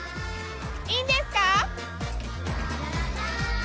いいんですか？